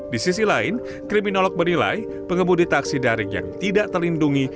di sisi lain kriminolog menilai pengemudi taksi daring yang tidak terlindungi